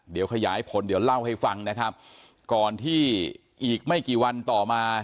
เดี๋ยวขยายผลเดี๋ยวเล่าให้ฟังนะครับก่อนที่อีกไม่กี่วันต่อมา